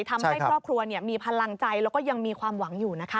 ทำให้ครอบครัวมีพลังใจแล้วก็ยังมีความหวังอยู่นะคะ